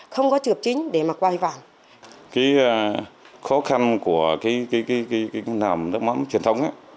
không có trượp chính để mà quay vào